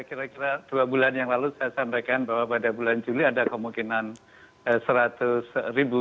kira kira dua bulan yang lalu saya sampaikan bahwa pada bulan juli ada kemungkinan seratus ribu